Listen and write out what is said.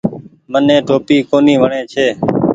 مني ٽوپي ڪونيٚ وڻي ڇي۔